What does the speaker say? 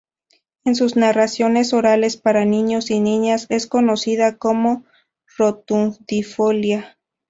En sus narraciones orales para niños y niñas es conocida como "Rotundifolia".